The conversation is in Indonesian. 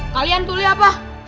kalian tuli apa